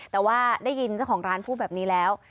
แต่ว่าได้ยินเจ้าของร้านพูดแบบนี้แล้ว